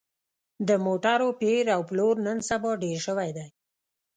د موټرو پېر او پلور نن سبا ډېر شوی دی